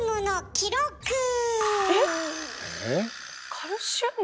カルシウム？